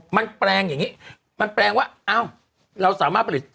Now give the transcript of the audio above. มันแปลงอย่างนี้มันแปลงว่าอ้าวเราสามารถผลิต